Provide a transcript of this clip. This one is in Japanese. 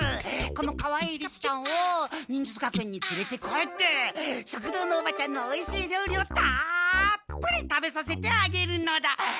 このかわいいリスちゃんを忍術学園につれて帰って食堂のおばちゃんのおいしい料理をたっぷり食べさせてあげるのだ。え？